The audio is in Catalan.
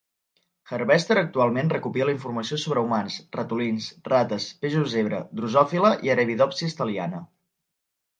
Harvester actualment recopila informació sobre humans, ratolins, rates, peixos zebra, drosòfila i arabidopsis thaliana.